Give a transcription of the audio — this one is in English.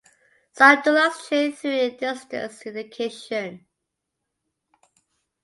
Some doulas train through distance education.